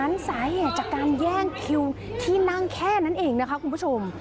สาเหตุจากการแย่งคิวที่นั่งแค่นั้นเองนะคะคุณผู้ชม